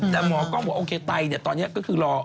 แต่หมอกล้องบอกโอเคไตเนี่ยตอนนี้ก็คือรอ